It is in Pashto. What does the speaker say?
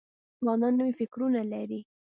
ځوانان نوي فکرونه لري.